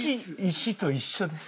石と一緒です。